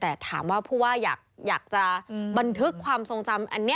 แต่ถามว่าผู้ว่าอยากจะบันทึกความทรงจำ